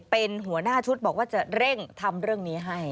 เป็นหัวหน้าชุดบอกว่าจะเร่งทำเรื่องนี้ให้